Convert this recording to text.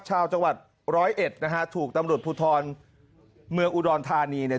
ชาวจังหวัดร้อยเอ็ดนะฮะถูกตำรวจภูทรเมืองอุดรธานีเนี่ย